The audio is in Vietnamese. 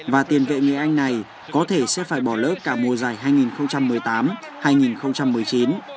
và tiền vệ người anh này có thể sẽ phải bỏ lỡ cả mùa giải hai nghìn một mươi tám hai nghìn một mươi chín